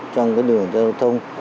trong cái đường giao thông